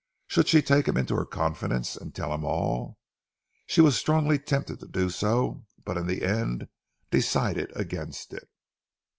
Should she take him into her confidence, and tell him all? She was strongly tempted to do so, but in the end decided against it.